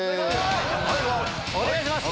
お願いします！